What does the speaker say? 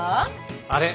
あれ？